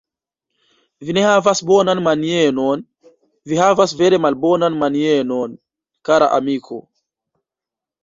Vi ne havas bonan mienon; vi havas vere malbonan mienon, kara amiko.